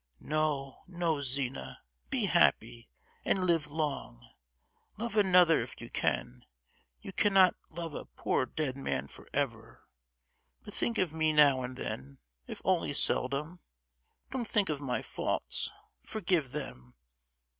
No, no, Zina, be happy, and live long. Love another if you can, you cannot love a poor dead man for ever! But think of me now and then, if only seldom; don't think of my faults: forgive them!